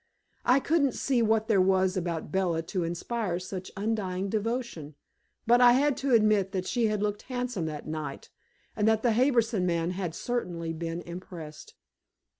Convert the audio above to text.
I couldn't see what there was about Bella to inspire such undying devotion, but I had to admit that she had looked handsome that night, and that the Harbison man had certainly been impressed.